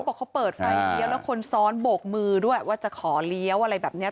บอกเขาเปิดไฟเลี้ยวแล้วคนซ้อนโบกมือด้วยว่าจะขอเลี้ยวอะไรแบบนี้